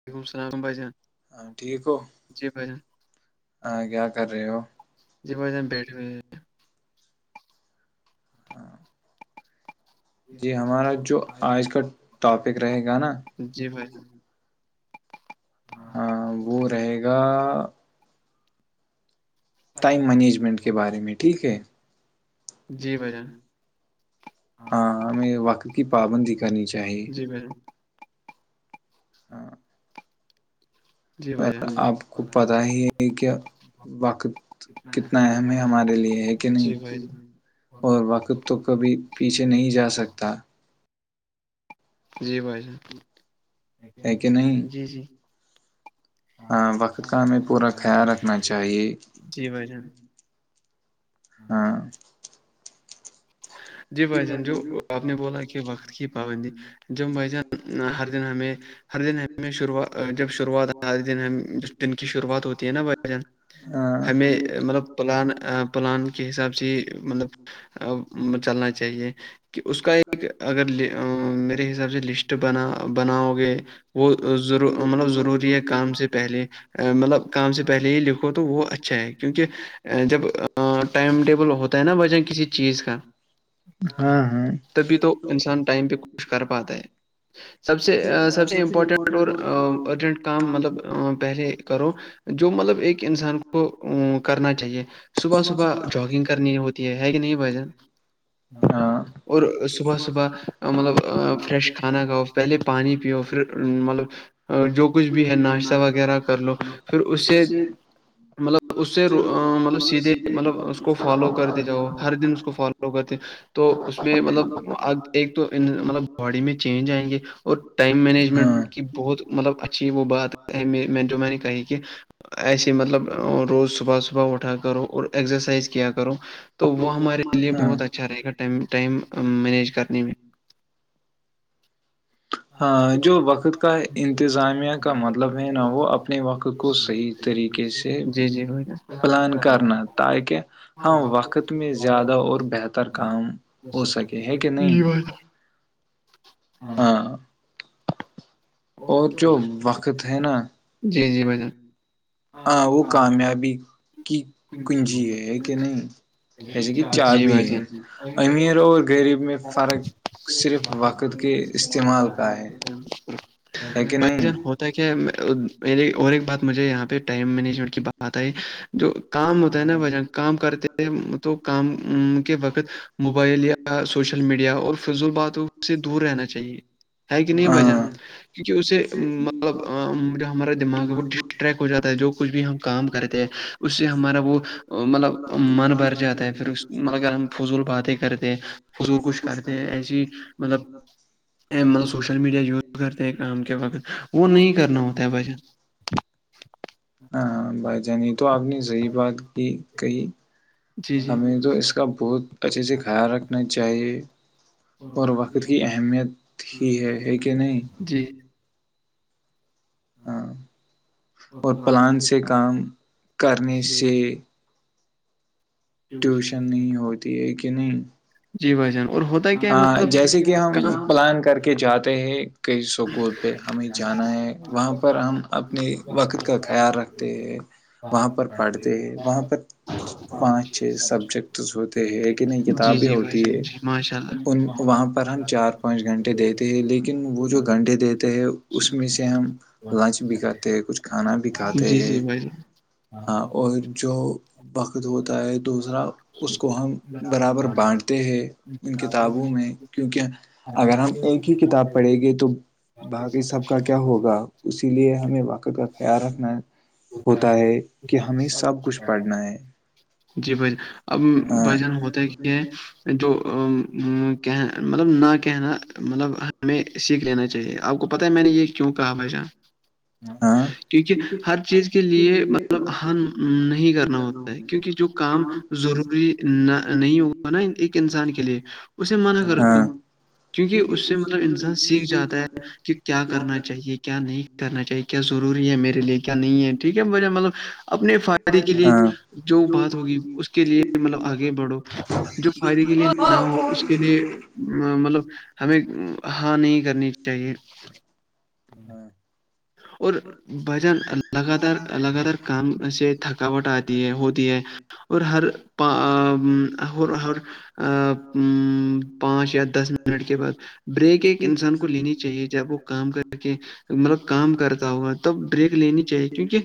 وعلیکم اللام بھائیان بان جی ب بیٹھے ہیں ہاں جی ہمارا جو آج کا ٹاپک رہے گا نا وہ رہے گا ٹائم مینجمنٹ کے بارے میں ٹھیک ہے جی بھ ہاں ہمیں وقت کی پابندی کرنی چاہیے ہاں پر آپ کو پتا ہی ہے کہ وقت کتنا اہم ہے ہمارے لیے ہے کہ نہیں اور وقت تو کبھی پیچھے نہیں جا سکتا جی بھائی جان جی جی وقت کا ہمیں پورا خیال رکھنا چاہیے جی بھائی جان ہاں جی بھائی جان جو آپ نے بولا کہ وقت کی پابندی جب بھ جان ہر دن ہمیں ہر دن ہمیں شروع جب شروعات دن ہم جس دن کی شروعات ہوتی ہے نا بھجن ہمیں مطلب پلان پلان کے حساب سے ہی مطلب چلنا چاہیے کہ اس کا ایک اگر میرے حساب سے لسٹ بنا بناؤ گے تو وہ ضرو مطلب ضروری ہے کام سے پہلے مطلب کام سے پہلے ہی لکھو تو وہ اچھا ہے کیونکہ جب ٹائم ٹیبل ہوتا ہے نا بجن کسی چیز کا تبھی تو انسان ٹائم پہ خوش کر پاتا ہے سب سے سب سے امپورٹنٹ اور ارجنٹ کام مطلب پہلے کرو جو مطلب ایک انسان کو کرنا چاہیے صبح صبح جگنگ کرنی ہوتی ہے کہ نہیں بھ جن ہاں اور صبح صبح مطلب فریش کھانا کھاؤ پہلے پانی پیو پھر مطلب جو کچھ بھی ہے ناشتہ وغیرہ کر لو پھر اس سے مطلب اس سے مطلب سیدھے مطلب اس کو فالو کرتے جاؤ ہر دن اس کو فالو کرتے تو اس میں مطلب ایک تو مطلب باڈی میں چینج آئیں گے اور ٹائم مینجمنٹ کی بہت مطلب اچھی وہ بات جو میں نے کہی کہ ایسے مطلب روز صبح صبح اٹھا کرو اور ایکگزرسائز کیا کرو تو وہ ہمارے لیے بہت اچھا رہے گا ٹائم ٹائم مینیج کرنے میں [inaudible] ہاں جو وقت کا انتظامیہ کا مطلب ہے نا وہ اپنے وقت کو صحیح طریقے سے پلان کرنا تاکہ ہم وقت میں زیادہ اور بہتر کام ہو سکے ہے کہ نہیں ہاں اور جو وقت ہے نا جی جی میں جان ہاں وہ کامیابی کی کنجی ہے کہ نہیں جیسے کہ چا بھیی ہے امیر اور غریب میں فرق پجن ہو تاکہ اور ایک بات مجھے یہاں پہ ٹائم مینجمنٹ کی بات آئی جو کام ہوتا ہے نا بھ جان کام کرتے تو کام کے وقت موبائل یا سوشل میڈیا اور فضل باتوں سے دور رہنا چاہیے ہے کہ نہیں بجن کیونکہ اسے مطلب جو ہمارا دماغ ہے وہ ڈٹ ریک ہو جاتا ہے جو کچھ بھی ہم کام کرتے ہیں اس اس سے ہمارا وہ مطلب من بر جاتا ہے پھر اگر ہم فضول باتیں کرتے ہیں فضور کوش کرتے ہیں ایسی مطلب مطلب سوشل میڈیا یوز کرتے ہیں کام کے وقت وہ نہیں کرنا ہوتا ہے بجہ ہاں بھائی جان یہ تو آپ نے صحیح بات کی کہئی ہمیں تو اس کا بہت اچھے سے خیال رکھنا چاہیے اور وقت کی اہمیت ہی ہے ہے کہ نہیں ہاں اور پلان سے کام کرنے سے ٹیوشن نہیں ہوتی ہے کہ نہیں ہاں جیسے کہ ہم پلان کر کے جاتے ہیں کئی سکول پہ ہمیں جانا ہے وہاں پر ہم اپنے وقت کا خیال رکھتے ہیں وہاں پر پڑھتے وہاں پر پانچ سبجیکٹس ہوتے ہیں کہ نہیں کتابیں ہوتی ہے اور وہاں پر ہم چار پانچ گنٹے گٹ دیتے ہیں لیکن وہ جو گنڈے دیتے ہیں اس میں سے ہم لنچ بھی کرتے ہیں کچھ کھانا بھی کھاتے ہیں جی ہاں اور جو وقت ہوتا ہے دوسرا اس کو ہم برابر بانٹتے ہیں ان کتابوں میں کیونکہ اگر ہم ایک ہی کتاب پڑے گے تو باقی سب کا کیا ہوگا اسی لیے ہمیں واقعت کا خیال رکھنا ہے ہوتا ہے کہ ہمیں سب کچھ پڑھنا ہے جی بھائین اب بھجن ہوتا کہ ہے جو کہ مطلب نہ کہنا مطلب ہمیں سیکھ لینا چاہے آپ کو پتا ہے میں نے یہ کیوں کہا بھ جان کیونکہ ہر چیز کے لیے مطلب ہر نہیں کرنا ہوتا ہے کیونکہ جو کام ضروری نہ نہیں ہوگا نا ایک انسان کے لیے اسے منع کرتا ہ کیونکہ اس سے مطلب انسان سیکھ جاتا ہے کہ کیا کرنا چاہیے کیا نہیں کرنا چاہیے کیا ضروری ہے میرے لیے کیا نہیں ہے ٹھیک ہے مہ مطلب اپنے فائدے کے لیے جو بات ہوگی اس کے لیے مطلب آگے بڑھو جو فائرگ کے لیے نہ ہو اس کے لیے ا مطلب ہمیں ہاں نہیں کرنی چاہیے ہاں ہ اور بجن لگاتار لگاتار کام سے تھکاوٹ آتی ہے ہوتی ہے اور ہر پ ہر پانچ یا دس م بع بریک ایک انسان کو لینی چاہیے جب وہ کام کر مطلب کام کر ہوا تب بریک لینی چاہیے کیونکہ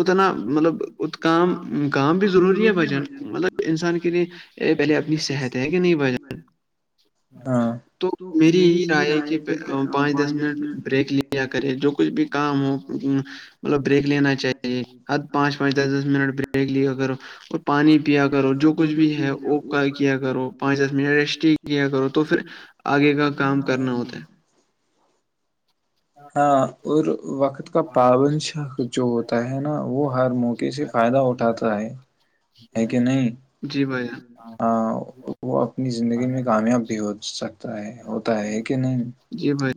اتنا مطلب کام کام بھی ضروری ہے بھجن مطلب انسان کے لیے پہلے اپنی صحت ہے کہ نہیں بھجن ہاں تو میری یہی رائے ہے کہ پانچ دس منٹ بریک لےیا کرے جو کچھ بھی کام ہو مطلب بریک لینا چاہیے حد پانچ پانچ دس دس منٹ بریک لیا کرو اور پانی پیا کرو جو کچھ بھی ہے وہ کیا کرو پانچ دس منٹ ریسٹگ کیا کرو تو پھر آگے کا کام کرنا ہوتا ہے ہاں اور وقت کا پاون شخ جو ہوتا ہے نا وہ ہر موقعے سے فائدہ اٹا تھا ہے [inaudible] ہے کہ نہیں ہاں وہ اپنی زندگی میں کام ا بھی ہو سکتا ہے ہوتا ہے کہ نہیں جی بھائی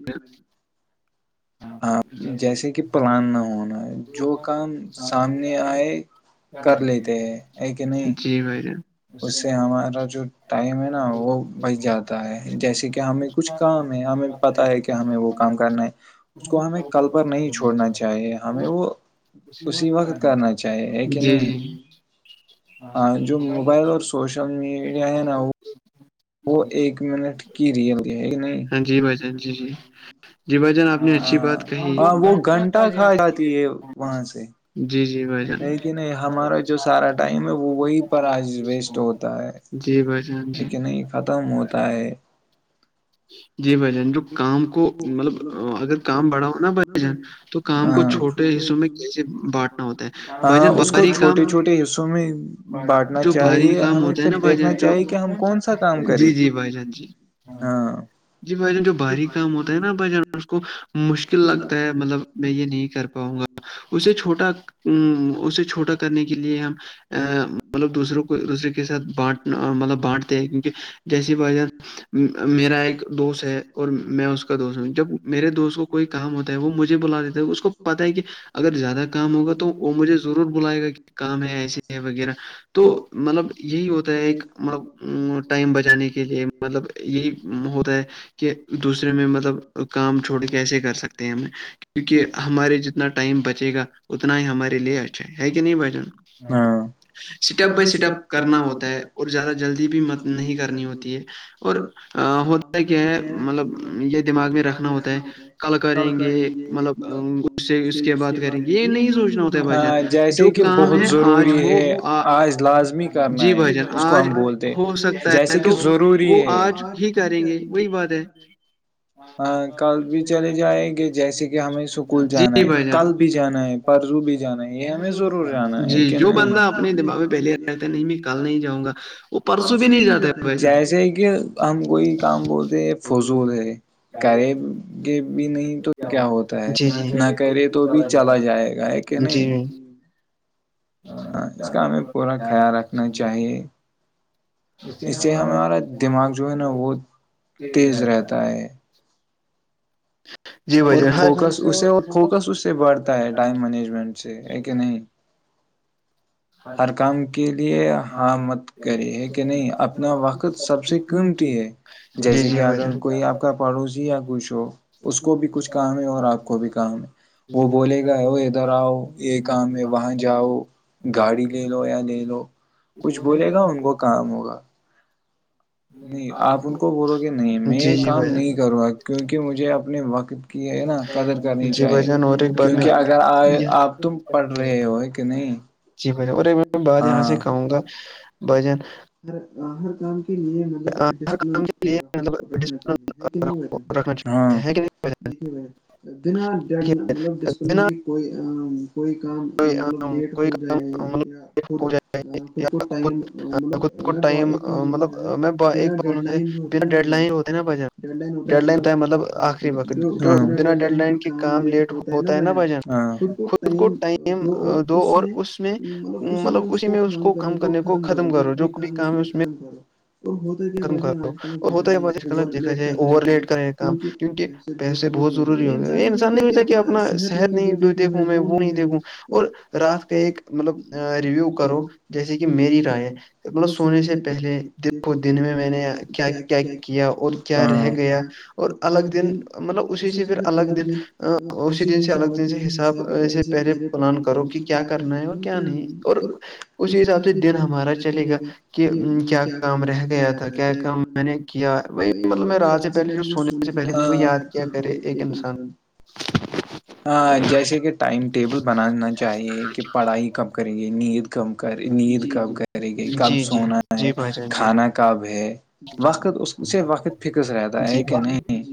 ہاں جیسے کہ پلان نہ ہونا جو کام سامنے آئے کر لیتے ہے کہ نہیں اس سے ہمارا جو ٹائم ہے نا وہ بچ جاتا ہے جیسے کہ ہمیں کچھ کام ہے ہمیں پتا ہے کہ ہمیں وہ کام کرنا ہے اس کو ہمیں کل پر نہیں چھوڑنا چاہیے ہمیں وہ اسی وقت کرنا چاہیےے کہ نہیں ہاں مائ اور سوشل میڈیا ہے نہ وہ جی وہ ایک منٹ کی ریئل ہے گ نہیں جی بجن جی جی جی ب جی ہاں ہ وہ گھنٹہ کھا جاتی ہے وہاں سے جی جی بائی جان لیک نہیں ہمارا جو سارا ٹائم ہے وہ وہی پر آج ویسٹ ہوتا ہے ج لیک نہیں ختم ہوتا ہے جی بھائی جان جو کام کو مطلب اگر کام بڑا ہوناا بھ جان تو کام کو چھوٹے حصوں میں کیسے بانٹنا ہوتا ہے بھائی جان بھاری کام جو بھاری کام ہوتا ہے نا بھائیجن جو جی جی بھائی جان جی جی بھائی جان جو باہری کام ہوتا ہے نا اس کو مشکل لگتا ہے مطلب میں یہ نہیں کر پاؤں گا اسے چھوٹا ا اسے چھوٹا کرنے کے لیے ہم ا مطلب دوسروں کو دوسرے کے ساتھ بانٹ مطلب بانٹتے ہے کیونکہ جیسی وجہ میرا ایک دوست ہے اور میں اس دوست جب میرے دوست کو کوئی کام ہوتا ہے وہ مجھے بلا دیتا ہے اس کو پتتا ہے کہ اگر زیادہ کام ہوگا تو وہ مجھے ضرور بلائے گا کہ کام ہے ایسے ہے وغیرہ تو مطلب یہی ہوتا ہے ایک مطلب ٹائم بچانے کے لیے مطلب یہی ہوتا ہے کہ دوسرے میں مطلب کام چھوڑ کیسے کر سکتے ہیں ہمیں کیونکہ ہمارے جتنا ٹائم بچے گا اتنا ہی ہمارے لیے اچھا ہے کہ نہیں بھجن اسٹپ بائی اسٹپ کرنا ہوتا ہے اور زیادہ جلدی بھی مت نہیں کرنی ہوتی ہے اور ہوتا کہ ہے مطلب یہ دماغ میں رکھنا ہوتا ہے کل کریں گے مطلب اس سے اس کے بعد کریں گے یہ نہیں سوچنا ہوتا بھائی جن جو کام ہے آج ہو جی بھائی جن آج ہو سکتا ہے تو وہ آج بھی کریں گے وہی بات ہے ہاں کل بھی چلے جائیں گے جیسے کہ ہمیں سکول جانا ہے کل بھی جانا ہے پرزو بھی جانا ہے یہ ہمیں ضرور جانا ہےیکن ب اپنےاغ پہلے رہتا نہیں جاں گا پرس بھی نہیں جات جیسے ہی کہ ہم کوئی کام بولتے ہیں فضول ہے کر یہ بھی نہیں تو کیا ہوتا ہے نہ کرے تو بھی چلا جائے گا ہے کہ نہیں ہ اس کا ہمیں پورا خیال رکھنا چاہیے اس سے ہمارا دماغ جو ہے نا وہ تیز رہتا ہے اور فوکس اسے اور فوکس اس سے بڑھتا ہے ٹائم مینجمنٹ سے ہے کہ نہیں ہر کام کے لیے ہاں مت کری ہے کہ نہیں اپنا وقت سب سے قیمتی ہے جیسے کہ اگر کوئی آپ کا پڑوز یا کچھ ہو اس کو بھی کچھ کام ہے اور آپ کو بھی کام ہے وہ بولے گا ہوو ادھر آؤ یہ کام ہے وہاں جاؤ گاڑی لے لو یا لے لو کچھ بولے گا ان کو کام ہوگا نہیں آپ ان کو بولو گے نہیں میں یہ کام نہیں کروں گا کیونکہ مجھے اپنے وقت کی ہے نا قدر کرنی چاہیے کیونکہ اگر آ آپ تم پڑھ رہے ہو کہ نہیں جی بھ جن اور میں بات یہاں سے کہوں گا بھجن ہاہر کام کے نے میں [unintelligible] رکھنا چاہیے کہ نہیں ہاں [unintelligible] دیکھیے بھائینا مطلب ڈسپل کی کوئی [unintelligible] کوئی کام مطلب لیٹ ہو جائے یا خود کت کوت ائم مطلب میں با اک بار بنا ڈیڈ لائن جو ہوتے ہے نا بن ڈیڈ لائن ہوتا ہے مطلب آخری بار اتنا ڈیڈ لائن کام لیٹ ہوتا ہے نا بہ کو ٹائم دو اور اس میں مطلب اسی میں اس کو خم کرنے کو ختم کرو جو بھی کام اس میں ختم کرو اور بت کیا وا آج کل دیکھا جائے اوور لیٹ کر رہے کام کیونکہ پس بہت ضروری ہ یہ انسان نہیں سوجتا کہ اپنا صحت نہیں دیکھوں میں وہ نہیں دیکھوں اور رات پہ ایک مطلب ریویو کرو جیسے کہ مین کا ہے مطلب سونے سے پہلے [inaudible] دن میں میں نے کیا کیا کیا اور کیا رہ گیا اور الگ دن [unintelligible] مطلب اسی سے پھر الگ دن اسی دن سے الگ دن سے حساب سے پہلے پلان کرو کہ کیا کرنا ہے اور کیا نہیں اور اسی حساب سے دن ہمارا چلے گا کہ کیا [unintelligible] کام رہے [unintelligible] گیا تھا کیا کام میں نے کیا وہی مطلب میں رج سے پہلے جو سونے سے پہلے وہ یاد کیا کیا کرے ایک انسان [unintelligible] جیسے کہ ٹائم ٹیبل بنانا چاہیے کہ پڑھائی کب کرے گے نید کم کری نیند کب کرے گی کب سونا ہے کھانا کب ہے وقت اس سے وقت فکس رہتا ہے کہ نہیں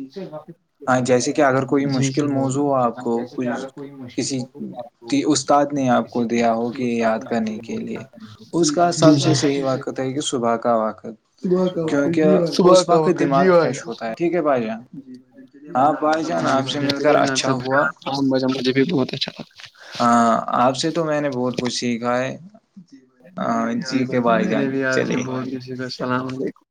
ہ جیس کہ اگر کوئی مشکل موضوع ہو آپ کو کچھ کسی استاد نے آپ [unintelligible] کو دیا ہو کہ یاد کرنے کے لیے اس کا سب سے صحیح واقعت ہے کہ سبا کا وقت کیونکہ اس وقت دماغ فریش ہوتا ہے ٹھیک ہے بھائی جان جی بب مے بھی بہت اچھا لگتا ہے ہاں آپ سے تو میں نے بہت کچھ سیکھا ہے [unintelligible] ہاں جی کے بائی جان چلے السلام علیکم [unintelligible]